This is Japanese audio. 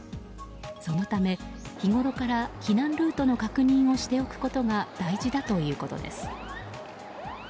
そのため、日ごろから避難ルートの確認をしておくことが大事だということです。